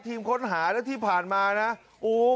ทีมค้นหาแล้วที่ผ่านมานะโอ้